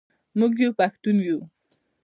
موږ یو پښتون یو.